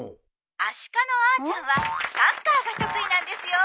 アシカのアーちゃんはサッカーが得意なんですよ。